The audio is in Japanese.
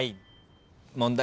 問題